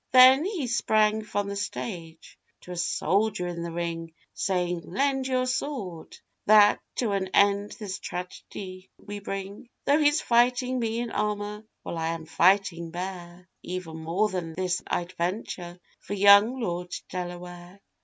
Then he sprang from the stage, to a soldier in the ring, Saying, 'Lend your sword, that to an end this tragedy we bring: Though he's fighting me in armour, while I am fighting bare, Even more than this I'd venture for young Lord Delaware.